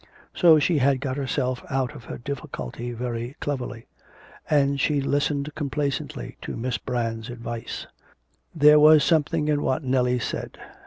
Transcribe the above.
So she had got herself out of her difficulty very cleverly. And she listened complacently to Miss Brand's advice. There was something in what Nellie said.